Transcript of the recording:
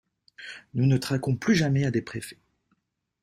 Nous ne trinquons plus jamais à des préfets.